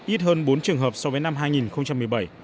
ít hơn bốn trường hợp so với năm hai nghìn một mươi bảy